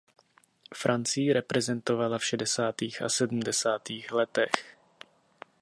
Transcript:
Francii reprezentovala v šedesátých a sedmdesátých letech.